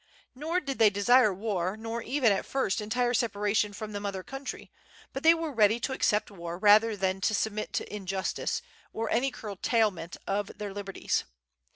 Nor did they desire war, nor even, at first, entire separation from the Mother Country; but they were ready to accept war rather than to submit to injustice, or any curtailment of their liberties.